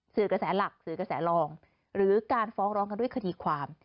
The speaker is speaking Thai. กระแสหลักสื่อกระแสลองหรือการฟ้องร้องกันด้วยคดีความ